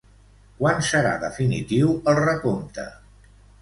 Quan serà definitiu el recompte?